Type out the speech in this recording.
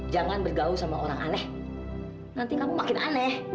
jangan bergaul sama orang aneh nanti kamu makin aneh